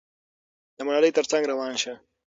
د ملالۍ تر څنګ روان شه.